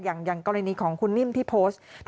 อย่างกรณีของคุณนิ่มที่โพสต์